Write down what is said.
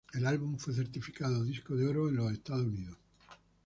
El álbum fue certificado disco de oro en los Estados Unidos.